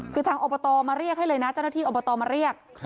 คือทางอบตมาเรียกให้เลยนะเจ้าหน้าที่อบตมาเรียก